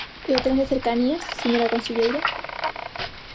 ¿E o tren de cercanías, señora conselleira?